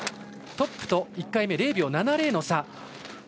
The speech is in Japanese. トップと１回目、０秒７０の差。